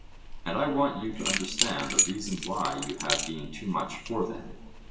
And I want you to understand the reason why you have been too much for them.